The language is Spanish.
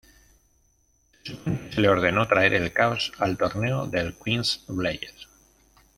Se supone que se le ordenó traer el caos al torneo del Queen's Blade.